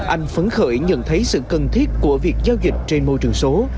anh phấn khởi nhận thấy sự cần thiết của việc giao dịch trên môi trường số